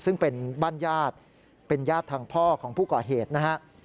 ซึ่งเป็นบ้านญาติเป็นญาติทางพ่อของผู้ก่อเหตุนะฮะ